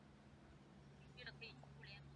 古赖亚特是阿曼马斯喀特附近的渔村。